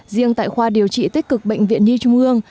riêng tại khoa điều trị tích cực bệnh viện nhi trung ương